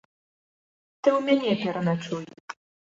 Ты ў мяне пераначуй.